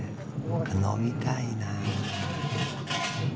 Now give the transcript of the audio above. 飲みたいなあ。